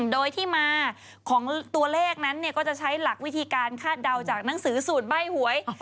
โดยที่มาของตัวเลขนั้นก็จะใช้หลักวิธีการคาดเดาจากหนังสือสูตรใบ้หวย